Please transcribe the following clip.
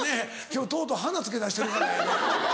今日とうとう花つけだしてるからやな。